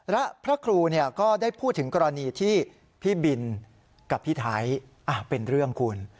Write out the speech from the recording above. และพระครูก็ได้พูดถึงกรณีที่พี่บินกับพี่ไทยเป็นเรื่องคุณ